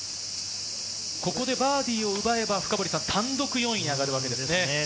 ここでバーディーを奪えば単独４位に上がるわけですね。